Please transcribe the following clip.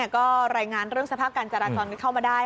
ก็รายงานเรื่องสภาพการจราจรกันเข้ามาได้